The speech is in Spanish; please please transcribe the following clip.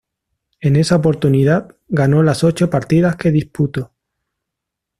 En esa oportunidad, ganó las ocho partidas que disputo.